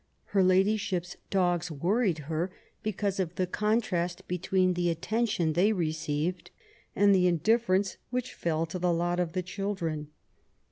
Her ladyship's dogs worried her because of the contrast between the attention they received and the indiffer ence which fell to the lot of the children.